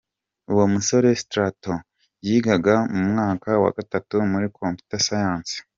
Uwo musore Straton yigaga mu mwaka wa gatatu muri Computer Science.